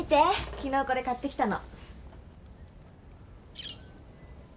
昨日これ買ってきたの。